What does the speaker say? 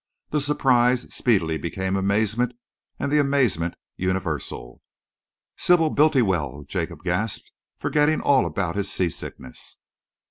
The surprise speedily became amazement, and the amazement universal. "Sybil Bultiwell!" Jacob gasped, forgetting all about his seasickness.